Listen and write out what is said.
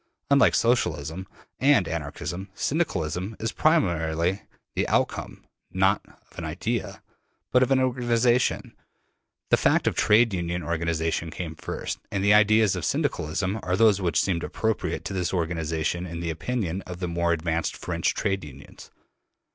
Unlike Socialism and Anarchism, Syndicalism is primarily the outcome, not of an idea, but of an organization: the fact of Trade Union organization came first, and the ideas of Syndicalism are those which seemed appropriate to this organization in the opinion of the more advanced French Trade Unions.